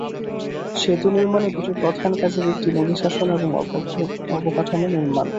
সেতু নির্মাণে দুটি প্রধান কাজের একটি নদী শাসন এবং অপরটি অবকাঠামো নির্মাণ।